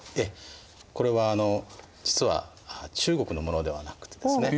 これは実は中国のものではなくてですね